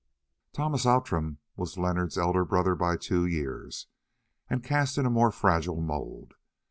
Thomas Outram was Leonard's elder by two years and cast in a more fragile mould.